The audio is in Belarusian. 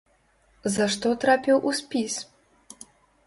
За што трапіў у спіс?